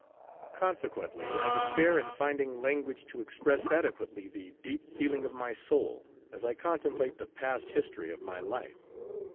Consequently I despair in finding language to express adequately the deep feeling of my soul, as I contemplate the past history of my life.